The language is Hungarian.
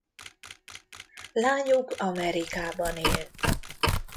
Lányuk Amerikában él.